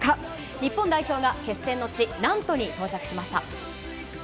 日本代表が決戦の地ナントに到着しました。